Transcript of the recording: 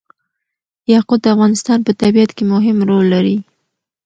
یاقوت د افغانستان په طبیعت کې مهم رول لري.